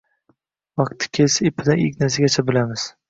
vaqti kelsa, ipidan-ignasigacha bilamiz